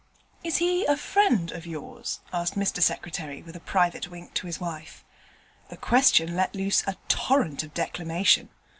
'Is he a friend of yours?' asked Mr Secretary, with a private wink to his wife. The question let loose a torrent of declamation.